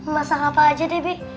masak apa aja deh bi